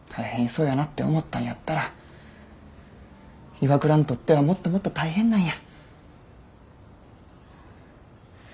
そうやなって思ったんやったら岩倉にとってはもっともっと大変なんや。